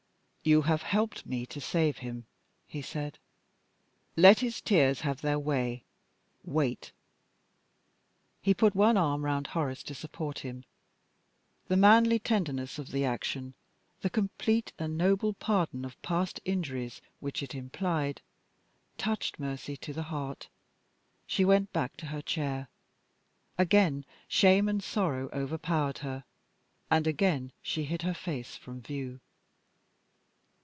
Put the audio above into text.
"You have helped me to save him," he said. "Let his tears have their way. Wait." He put one arm round Horace to support him. The manly tenderness of the action, the complete and noble pardon of past injuries which it implied, touched Mercy to the heart. She went back to her chair. Again shame and sorrow overpowered her, and again she hid her face from view.